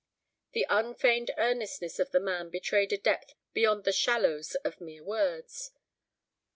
The unfeigned earnestness of the man betrayed a depth beyond the shallows of mere words.